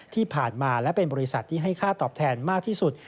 ที่ผ่านมาและเป็นบริษัทที่ให้ค่าตอบแทนมากที่สุด